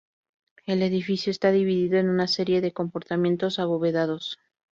El edificio está dividido en una serie de compartimentos abovedados.